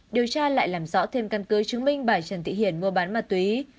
điều tra lại làm rõ thêm căn cứ chứng minh bà trần tị hiền mua bán mà tùy